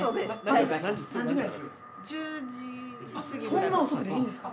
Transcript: そんな遅くでいいんですか？